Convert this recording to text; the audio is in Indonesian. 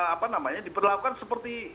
apa namanya diperlakukan seperti